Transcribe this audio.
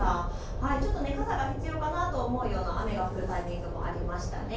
ちょっと傘が必要かなと思うような雨が降るタイミングもありましたね。